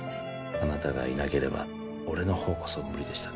あなたがいなければ俺のほうこそ無理でしたね